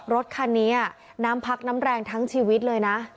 รถคันนี้น้ำพักน้ำแรงทั้งชีวิตเลยนะ